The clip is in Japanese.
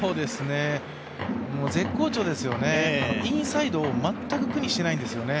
絶好調ですよね、インサイドを全く苦にしていないんですよね。